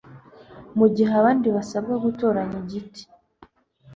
mugihe abandi basabwa gutoranya igiti